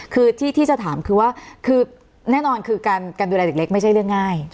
คือที่จะถามคือว่าคือแน่นอนคือการดูแลเด็กเล็กไม่ใช่เรื่องง่าย